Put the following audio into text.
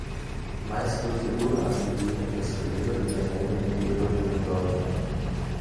Meist wird hier Buddha angegeben, dessen Lehre die Dämonen in die Irre führen sollte.